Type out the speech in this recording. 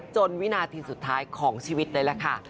วินาทีสุดท้ายของชีวิตเลยล่ะค่ะ